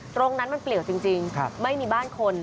ตรงนั้นมันเปลี่ยวจริงไม่มีบ้านคน